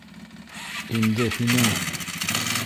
- Инде һинең...